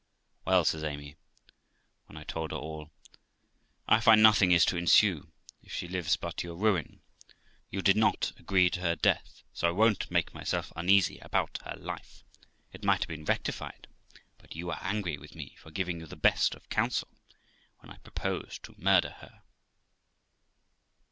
' Well ', says Amy, when I had told her all, 'I find nothing is to ensue, if she lives, but your ruin; you would not agree to her death, so I will not make myself uneasy about her life ; it might have been rectified, but you were angry with me for giving you the best of counsel, viz., when I proposed to murder her.'